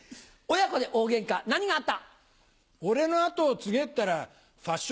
親子で大ゲンカ何があった？